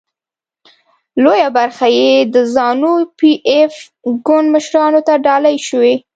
لویه برخه یې د زانو پي ایف ګوند مشرانو ته ډالۍ شوې.